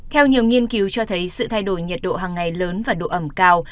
theo nhiều nghiên cứu cho thấy sự thay đổi nhiệt độ hàng ngày lớn và độ ẩm cao